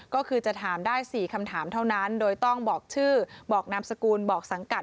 ก็คือจะถามได้๔คำถามเท่านั้นโดยต้องบอกชื่อบอกนามสกุลบอกสังกัด